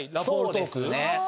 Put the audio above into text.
そうですね。